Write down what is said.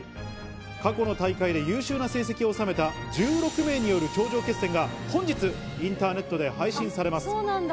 過去の大会で優秀な成績を収めた１６名による頂上決戦が本日インターネットで配信されます。